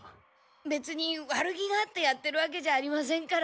別に悪気があってやってるわけじゃありませんから。